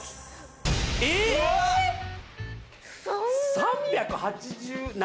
３８７！？